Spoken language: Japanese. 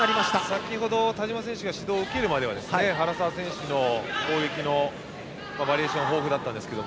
先程、田嶋選手が指導を受けるまでは原沢選手の攻撃のバリエーション豊富だったんですが。